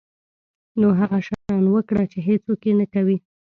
نو هغه شیان وکړه چې هیڅوک یې نه کوي.